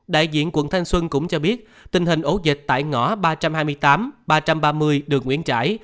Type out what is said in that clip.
đại diện quận thanh xuân cũng cho biết tình hình ổ dịch tại ngõ ba trăm hai mươi tám ba trăm ba mươi đường nguyễn trãi